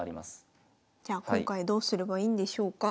じゃあ今回どうすればいいんでしょうか。